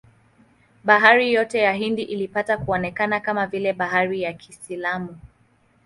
Bahari yote ya Hindi ilipata kuonekana kama vile bahari ya Kiislamu.